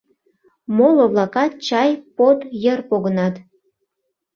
Моло-влакат чай под йыр погынат.